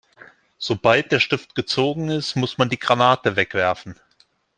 Sobald der Stift gezogen ist, muss man die Granate wegwerfen.